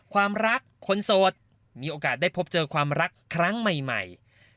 ความรักคนโสดมีโอกาสได้พบเจอความรักครั้งใหม่